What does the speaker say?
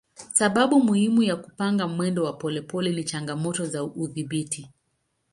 Sababu muhimu ya kupanga mwendo wa polepole ni changamoto za udhibiti.